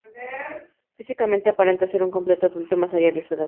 Físicamente aparenta ser un completo adulto, más allá de su edad.